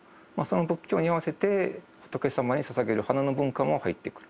その仏教に合わせて仏様にささげる花の文化も入ってくる。